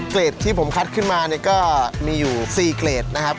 เกรดที่ผมคัดขึ้นมาเนี่ยก็มีอยู่๔เกรดนะครับ